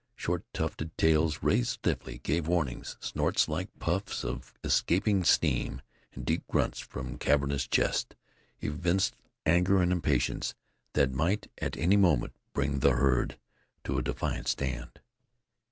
Short tufted tails, raised stiffly, gave warning. Snorts, like puffs of escaping steam, and deep grunts from cavernous chests evinced anger and impatience that might, at any moment, bring the herd to a defiant stand.